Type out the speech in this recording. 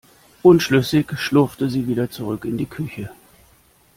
Unschlüssig schlurfte sie wieder zurück in die Küche.